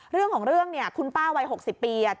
เรื่องของเรื่องเนี่ยคุณป้าวัย๖๐ปี